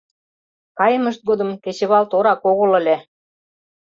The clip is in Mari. Каймышт годым кечывал торак огыл ыле.